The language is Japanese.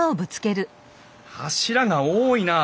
柱が多いなあ